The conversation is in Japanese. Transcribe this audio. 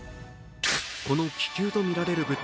この気球とみられる物体